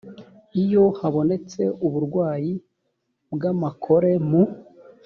iyo habonetse uburwayi bw amakore mu